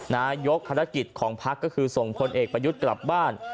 นายกภารกิจของพักก็คือส่งพลเอกประยุทธ์กลับบ้าน